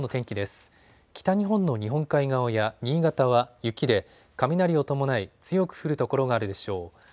北日本の日本海側や新潟は雪で雷を伴い強く降る所があるでしょう。